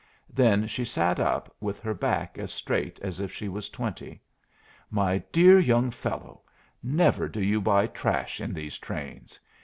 Then she sat up with her back as straight as if she was twenty. "My dear young fellow, never do you buy trash in these trains.